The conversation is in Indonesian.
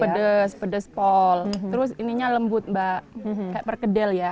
pedes pedes pol terus ininya lembut mbak kayak perkedel ya